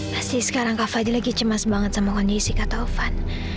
pasti sekarang kak fadi lagi cemas banget sama kondisi kata van